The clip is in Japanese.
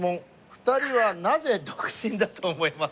「２人はなぜ独身だと思いますか？」